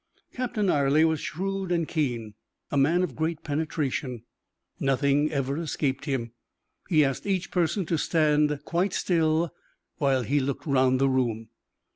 Captain Ayrley was shrewd and keen, a man of great penetration; nothing ever escaped him. He asked each person to stand quite still while he looked round the room.